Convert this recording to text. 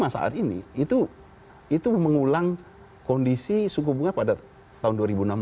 lima dua puluh lima saat ini itu mengulang kondisi suku bunga pada tahun dua ribu enam belas